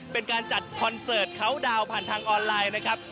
เป็นการจัดคอนเสิร์ตเขาดาวน์ผ่านทางออนไลน์นะครับ